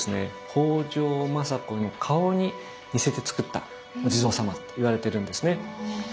北条政子の顔に似せてつくったお地蔵様といわれてるんですね。